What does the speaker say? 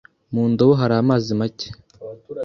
Mu ndobo hari amazi make.